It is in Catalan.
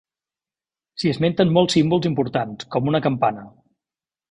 S'hi esmenten molts símbols importants, com una campana.